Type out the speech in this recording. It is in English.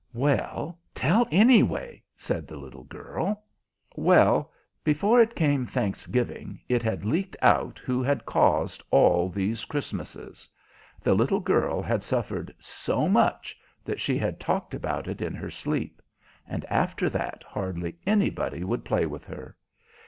"Well, tell, anyway," said the little girl. Well, before it came Thanksgiving it had leaked out who had caused all these Christmases. The little girl had suffered so much that she had talked about it in her sleep; and after that hardly anybody would play with her.